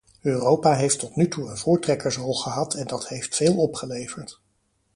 Europa heeft tot nu toe een voortrekkersrol gehad en dat heeft veel opgeleverd.